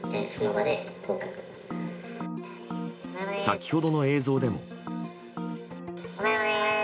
先ほどの映像でも。